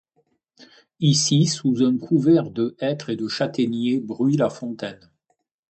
Ici, sous un couvert de hêtres et de châtaigniers, bruit la fontaine.